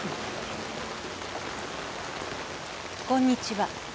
こんにちは。